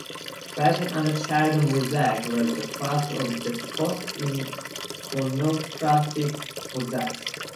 The Virgin and Child mosaic was the first of the post-iconoclastic mosaics.